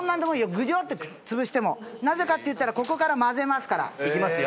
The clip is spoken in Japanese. グジョって潰してもなぜかっていったらここから混ぜますからいきますよ